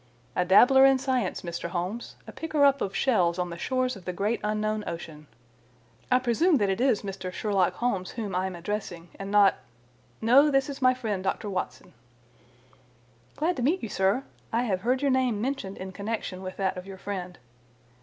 "A dabbler in science, Mr. Holmes, a picker up of shells on the shores of the great unknown ocean. I presume that it is Mr. Sherlock Holmes whom I am addressing and not—" "No, this is my friend Dr. Watson." "Glad to meet you, sir. I have heard your name mentioned in connection with that of your friend.